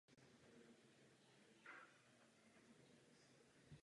Fyziologie, slečno Gloryová, není mým řemeslem.